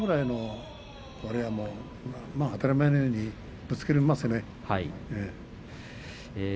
当たり前のようにぶつけますね。